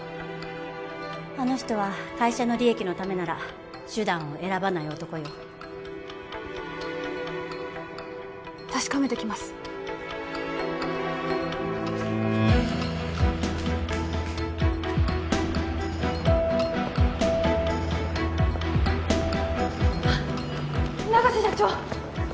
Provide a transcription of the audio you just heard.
あの人は会社の利益のためなら手段を選ばない男よ確かめてきます永瀬社長！